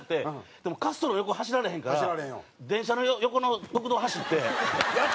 でも滑走路の横走られへんから電車の横の国道走って。